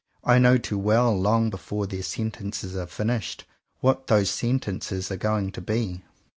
I know too well, long before their sentences are finished, what those sentences are going to be.